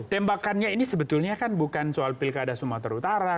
tembakannya ini sebetulnya kan bukan soal pilkada sumatera utara